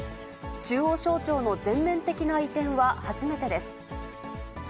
中央省庁の全面的な移転は初めてです。